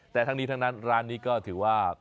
แต่ทั้งนี้ทั้งนั้นร้านนี้ก็ถือว่า